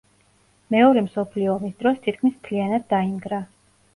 მეორე მსოფლიო ომის დროს თითქმის მთლიანად დაინგრა.